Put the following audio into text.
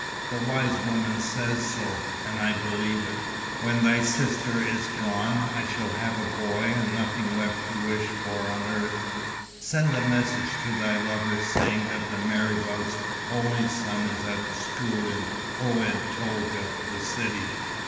The wise woman says so, and I believe it. When thy sister is gone, I shall have a boy, and nothing left to wish for on earth. Send a message to thy lover, saying that the marabout's only son is at school in Oued Tolga, the city.